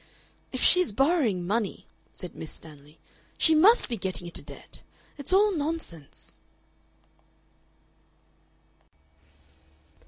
"If she is borrowing money," said Miss Stanley, "she MUST be getting into debt. It's all nonsense...."